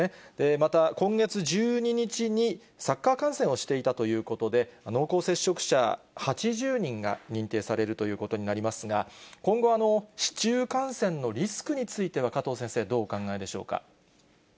また、今月１２日にサッカー観戦をしていたということで、濃厚接触者８０人が認定されるということになりますが、今後、市中感染のリスクについては、加藤先生、どうお考えでしょうか。